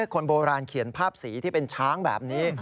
คนโบราณเขียนภาพสีที่เป็นช้างแบบนี้